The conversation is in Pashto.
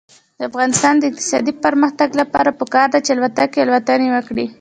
د افغانستان د اقتصادي پرمختګ لپاره پکار ده چې الوتکې الوتنې وکړي.